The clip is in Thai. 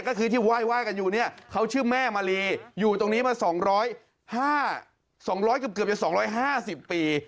ก็คือที่ว่ายกันอยู่นี่เขาชื่อแม่มารีอยู่ตรงนี้มา๒๕๐ปี